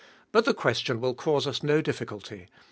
But the question will cause us no difficulty.